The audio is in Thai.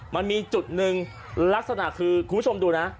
มันมีจุดลักษณะคือคุณสมดูนะ